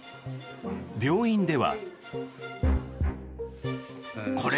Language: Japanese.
病院では。